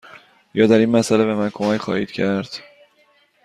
یا در این مسأله به من کمک خواهید کرد؟